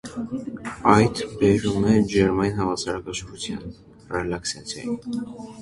Այդ բերում է ջերմային հավասարակշռության՝ ռելաքսացիայի։